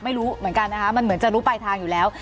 ไม่รู้เหมือนกันนะคะมันเหมือนจะรู้ปลายทางอยู่แล้ว